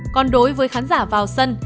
còn đối với khán giả vào sân